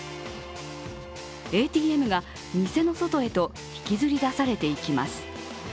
ＡＴＭが店の外へと引きずり出されていきます。